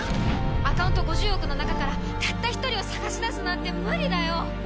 アカウント５０億の中からたった１人を捜し出すなんて無理だよ。